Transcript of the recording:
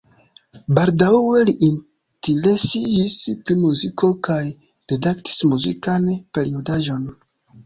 Baldaŭe li interesiĝis pri muziko kaj redaktis muzikan periodaĵon.